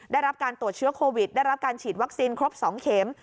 ได้รับการตรวจเชื้อโควิดได้รับการฉีดวัคซีนครบ๒เข็ม